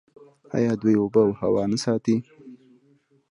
آیا دوی اوبه او هوا نه ساتي؟